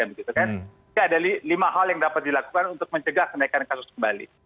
ini ada lima hal yang dapat dilakukan untuk mencegah kenaikan kasus kembali